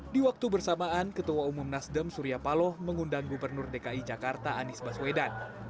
di waktu bersamaan ketua umum nasdem surya paloh mengundang gubernur dki jakarta anies baswedan